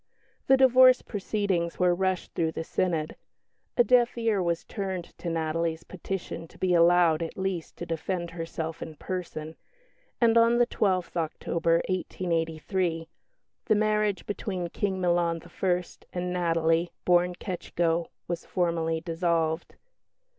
The divorce proceedings were rushed through the Synod. A deaf ear was turned to Natalie's petition to be allowed, at least, to defend herself in person; and on the 12th October, 1888, the "marriage between King Milan I. and Natalie, born Ketschko," was formally dissolved.